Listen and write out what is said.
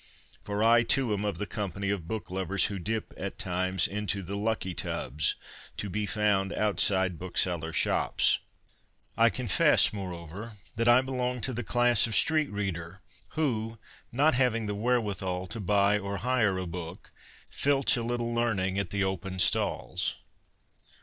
For I, too, am of the company of book lovers who dip at times into the ' lucky tubs ' to be found outside booksellers' shops. I confess, more over, that I belong to the class ' of street reader who, not having the wherewithal to buy or hire a book, filch a little learning at the open stalls.'